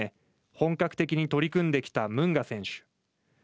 本格的に取り組んできたムンガ選手。